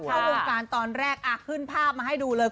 เข้าวงการตอนแรกขึ้นภาพมาให้ดูเลย